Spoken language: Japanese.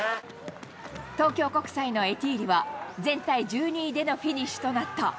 東京国際のエティーリは、全体１２位でのフィニッシュとなった。